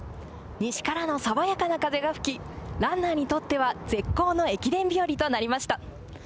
西からのさわやかな風が吹きランナーにとっては絶好の駅伝日和となりました。